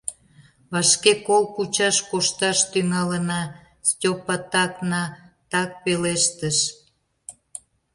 — Вашке кол кучаш кошташ тӱҥалына, — Стёпа Так-на-Так пелештыш.